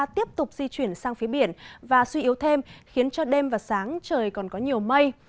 tiếp tục di chuyển sang phía biển và suy yếu thêm khiến cho đêm và sáng trời còn có nhiều mây